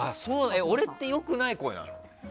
俺って良くない声なの？